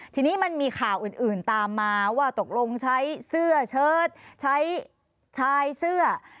ทีนี้มันมีข่าวอื่นตามมาว่าตกลงใช้เสื้อเชิดใช้ชายเสื้อ